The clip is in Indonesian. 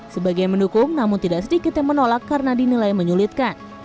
sebagian mendukung namun tidak sedikit yang menolak karena dinilai menyulitkan